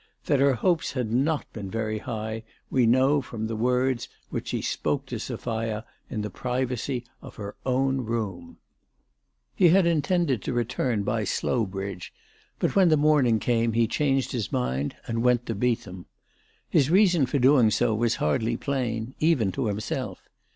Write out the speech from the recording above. That her hopes had not been very high we know from the words which she spoke to Sophia in the privacy of her own room. 382 ALICE DUGDALE. He had intended to return by Slowbridge, but when the morning came he changed his mind and went to Beetham. His reason for doing so was hardly plain, even to himself.